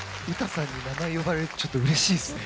ウタさんに名前を呼ばれるとちょっとうれしいですね。